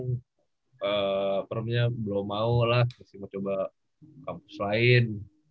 eee perutnya belum mau lah harusnya coba kampus lain